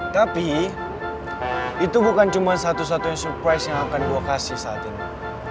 tapi itu bukan cuma satu satunya surprise yang akan gue kasih saat ini